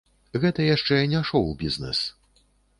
Гэта яшчэ не шоў-бізнэс.